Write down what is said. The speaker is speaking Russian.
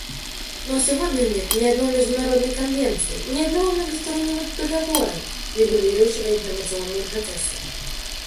Но сегодня нет ни одной международной конвенции, ни одного многостороннего договора, регулирующего информационные процессы.